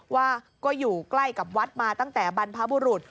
ว่าก็อยู่ใกล้กับวัดมาตั้งแต่บรรพบุรุษ